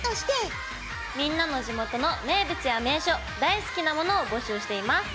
みんなの地元の名物や名所大好きなものを募集しています。